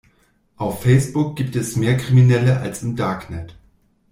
Auf Facebook gibt es mehr Kriminelle als im Darknet.